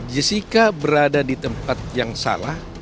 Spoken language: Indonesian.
jessica berada di tempat yang salah